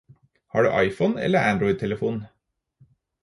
Har du iPhone eller android telefon?